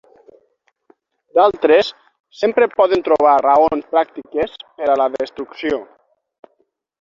D'altres sempre poden trobar raons pràctiques per a la destrucció.